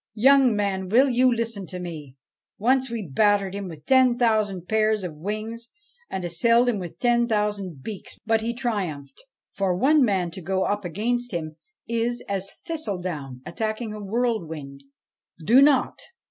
' Young man, will you listen to me? Once we battered him with ten thousand pairs of wings and assailed him with ten thousand beaks, but he triumphed. For one man to go up against him is as a thistledown attacking a whirlwind. Do nought.